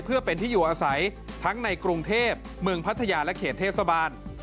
เพื่อเป็นที่อยู่อาศัยทั้งในกรุงเทพเมืองพัทยาและเขตเทศบาล